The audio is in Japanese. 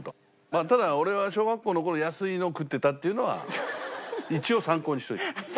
まあただ俺は小学校の頃安いのを食ってたっていうのは一応参考にしといて。